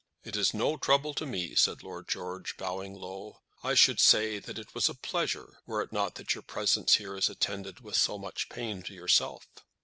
"It is no trouble to me," said Lord George, bowing low. "I should say that it was a pleasure, were it not that your presence here is attended with so much pain to yourself."